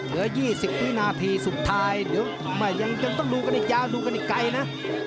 เหลือ๒๐วินาทีสุดท้ายเดี๋ยวยังต้องดูกันอีกยาวดูกันอีกไกลนะ